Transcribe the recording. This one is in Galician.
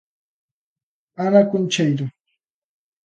Ana Concheiro.